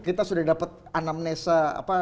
kita sudah dapat anamnesa